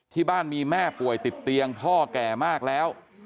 ที่บ้านมีแม่ป่วยติดเตียงพ่อแก่มากแล้ว